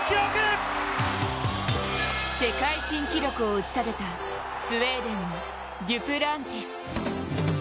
世界新記録を打ち立てたスウェーデンのデュプランティス。